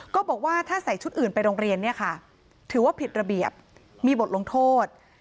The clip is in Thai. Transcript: ก็บอกว่าถ้าใส่ชุดอื่นไปโรงเรียนเนี่ยค่ะถือว่าผิดระเบียบมีบทลงโทษ